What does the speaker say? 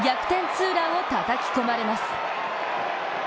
ツーランをたたき込まれます。